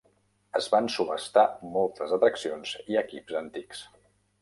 Es van subhastar moltes atraccions i equip antics.